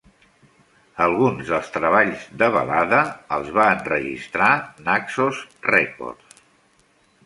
Alguns dels treballs de Balada els va enregistrar Naxos Records.